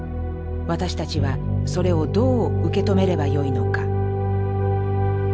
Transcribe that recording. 私たちはそれをどう受け止めればよいのか。